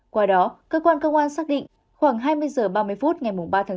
qua đó cơ quan công an xác định khoảng hai mươi h ba mươi phút ngày ba tháng bốn